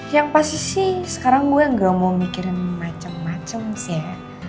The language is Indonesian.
yang pasti sih sekarang gue gak mau mikirin macam macam sih ya